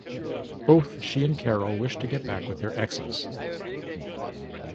Both she and Karel wish to get back with their exes.